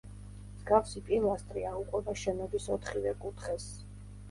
მსგავსი პილასტრი აუყვება შენობის ოთხივე კუთხეს.